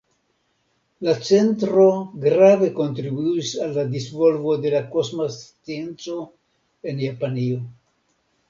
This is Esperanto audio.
La centro grave kontribuis al la disvolvo de la kosma scienco en Japanio.